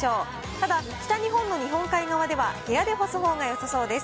ただ北日本の日本海側では部屋で干すほうがよさそうです。